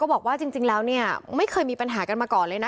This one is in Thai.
บอกว่าจริงแล้วเนี่ยไม่เคยมีปัญหากันมาก่อนเลยนะ